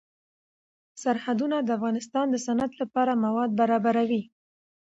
سرحدونه د افغانستان د صنعت لپاره مواد برابروي.